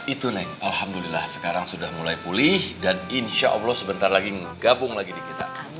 itu alhamdulillah sekarang sudah mulai pulih dan insya allah sebentar lagi gabung lagi di kita